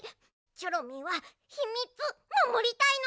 チョロミーはひみつまもりたいの！